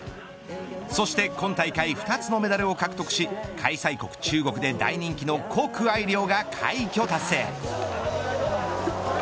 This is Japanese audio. そして今大会２つのメダルを獲得し開催国中国で大人気のコク・アイリョウが快挙達成。